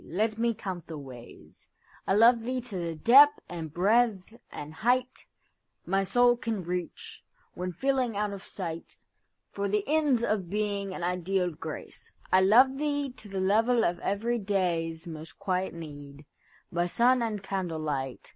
Let me count the ways.I love thee to the depth and breadth and heightMy soul can reach, when feeling out of sightFor the ends of being and ideal grace.I love thee to the level of every dayâsMost quiet need, by sun and candle light.